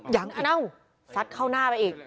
ยังอีกอ้าวสัดเข้าหน้าไปอีก